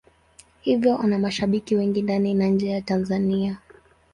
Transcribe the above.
Hivyo ana mashabiki wengi ndani na nje ya Tanzania.